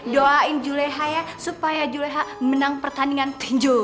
doain juleha ya supaya juleha menang pertandingan tinju